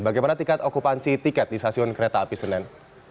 bagaimana tiket okupansi tiket di stasiun kereta api senen